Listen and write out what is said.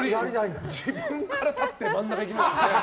自分から立って真ん中に行きましたもんね。